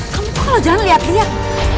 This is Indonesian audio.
kamu kok lo jangan liat liat